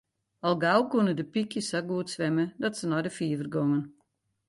Al gau koenen de pykjes sa goed swimme dat se nei de fiver gongen.